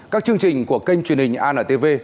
các chương trình của kênh truyền hình an tv